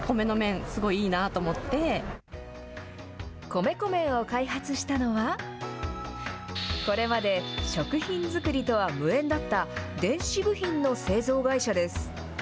米粉麺を開発したのは、これまで食品作りとは無縁だった、電子部品の製造会社です。